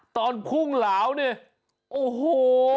ตอนพรุ่งเหลาเนี้ยโอ้โห